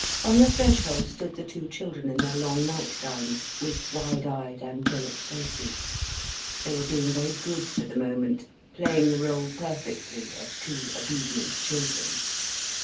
On the threshold stood the two children in their long nightgowns, with wide eyed, angelic faces. They were being very good for the moment, playing the rôle perfectly of two obedient children.